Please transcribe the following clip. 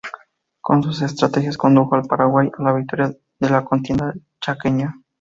Con sus estrategias condujo al Paraguay a la Victoria de la contienda Chaqueña.